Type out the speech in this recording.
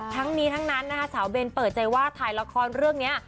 ทั้งนี้ทั้งนั้นนะคะสาวเบนเปิดใจว่าถ่ายละครเรื่องนี้